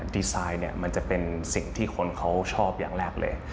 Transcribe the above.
ดีไซน์เนี่ยมันจะเป็นสิ่งที่คนเขาชอบอย่างแรกเลย